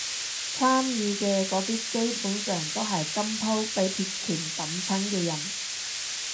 參與嘅嗰啲基本上都係今鋪畀鐵拳揼親嘅人